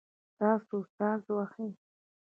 تاسو ساز وهئ؟